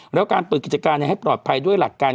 แล้วการเปิดกิจการให้ปลอดภัยด้วยหลักการ